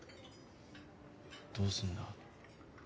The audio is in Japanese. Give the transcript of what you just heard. どうすんだ？